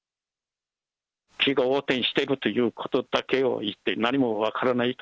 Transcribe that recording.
気が動転しているということだけを言って、何も分からないと。